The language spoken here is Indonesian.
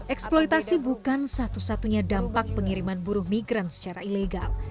eksploitasi bukan satu satunya dampak pengiriman buruh migran secara ilegal